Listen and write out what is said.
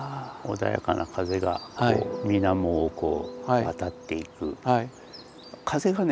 穏やかな風が水面をこう渡っていく風がね